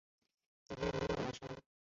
你没有人生